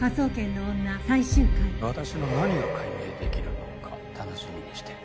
「私の何を解明できるのか楽しみにしてるよ」